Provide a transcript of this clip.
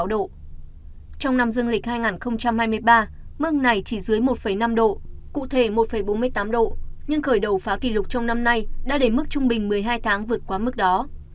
trong năm dương lịch hai nghìn hai mươi ba mức này chỉ dưới một năm độ cụ thể một bốn mươi tám độ nhưng khởi đầu phá kỷ lục trong năm nay đã đến mức trung bình một mươi hai tháng vượt qua mức đó